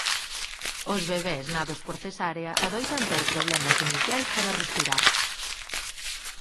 Os bebés nados por cesárea adoitan ter problemas iniciais para respirar.